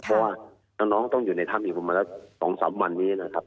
เพราะว่าน้องต้องอยู่ในถ้ำเหมือนประมาณ๒๓วันประมาณนี้หน่อยครับ